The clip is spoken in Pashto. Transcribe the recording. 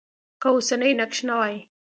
که اوسنی نقش نه وای.